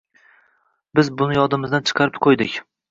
Biz buni yodimizdan chiqarib qo‘ydik